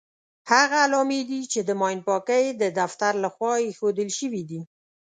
هغه علامې دي چې د ماین پاکۍ د دفتر لخوا ايښودل شوې دي.